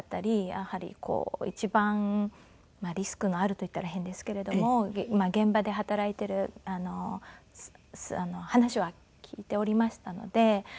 やはりこう一番リスクのあると言ったら変ですけれども現場で働いている話は聞いておりましたので。